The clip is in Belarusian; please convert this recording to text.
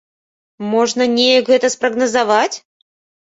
Можна неяк гэта спрагназаваць?